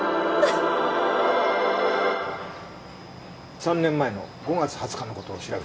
３年前の５月２０日の事を調べております。